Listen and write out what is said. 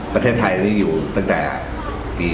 ประเทศไทยนี้อยู่ตั้งแต่ปี๒๕